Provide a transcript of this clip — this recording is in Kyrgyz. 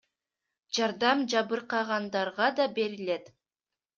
Жардам жабыркагандарга да берилет.